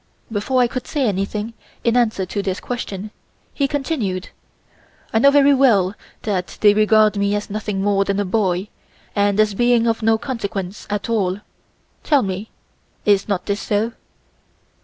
Before I could say anything in answer to this question he continued: "I know very well that they regard me as nothing more than a boy, and as being of no consequence at all. Tell me, is not this so?"